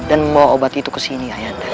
dan membawa obat itu ke sini